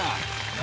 何？